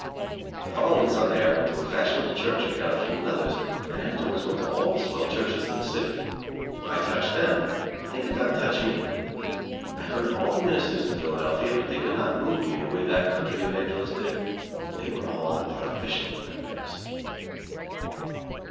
The following Sunday I went to a fashionable church and got a few leathers, and afterwards went to all the swell churches in the city. I touched them, but they could not touch me. I heard all the ministers in Philadelphia, but they could not move me the way that country evangelist did. They were all artificial in comparison.